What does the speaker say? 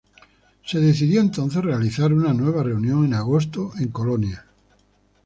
Se decidió entonces realizar una nueva reunión en agosto, en Colonia.